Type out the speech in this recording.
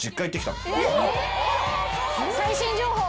最新情報。